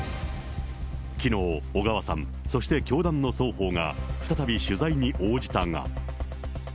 きのう、小川さん、そして教団の双方が再び取材に応じたが。